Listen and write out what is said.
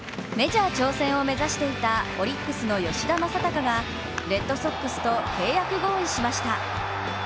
メジャー挑戦を目指していたオリックスの吉田正尚がレッドソックスと契約合意しました。